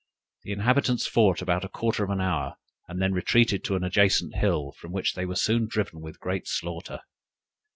The inhabitants fought about a quarter of an hour, and then retreated to an adjacent hill, from which they were soon driven with great slaughter.